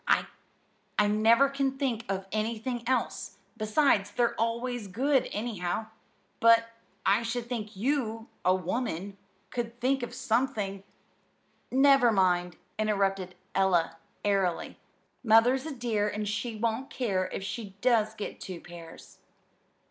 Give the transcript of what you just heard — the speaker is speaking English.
I never can think of anything else. Besides, they're always good, anyhow. But I should think you, a woman, could think of something " "Never mind," interrupted Ella airily. "Mother's a dear, and she won't care if she does get two pairs."